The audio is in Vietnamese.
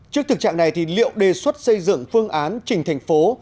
trước thực trạng này liệu đề xuất xây dựng phương án trình thành phố